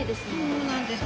そうなんです。